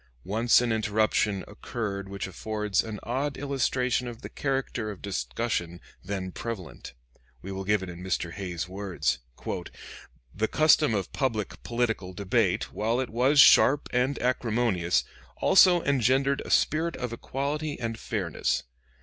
Once an interruption occurred which affords an odd illustration of the character of discussion then prevalent. We will give it in Mr. Hay's words: "The custom of public political debate, while it was sharp and acrimonious, also engendered a spirit of equality and fairness.